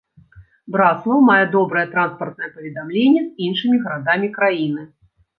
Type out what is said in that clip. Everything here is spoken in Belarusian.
Браслаў мае добрае транспартнае паведамленне з іншымі гарадамі краіны.